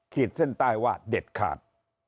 ขีดเส้นใต้ว่าเด็ดขาด